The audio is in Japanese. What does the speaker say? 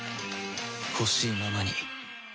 ほしいままに